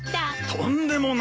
とんでもない！